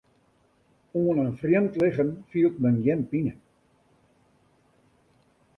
Oan in frjemd lichem fielt men gjin pine.